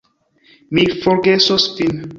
Mi forgesos vin.